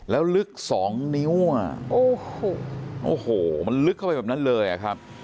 แล้วลึกสองนิ้วอ่ะโอ้โหมันลึกเข้าไปแบบนั้นเลยอะครับ